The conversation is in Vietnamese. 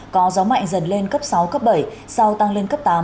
có gió mạnh dần lên cấp sáu cấp bảy sau tăng lên cấp tám